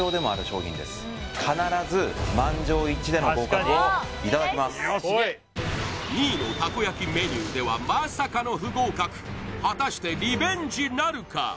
たこ焼が完成２位のたこ焼メニューではまさかの不合格果たしてリベンジなるか？